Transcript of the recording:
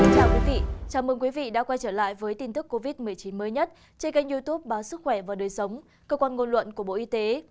chào mừng quý vị đã quay trở lại với tin tức covid một mươi chín mới nhất trên kênh youtube báo sức khỏe và đời sống cơ quan ngôn luận của bộ y tế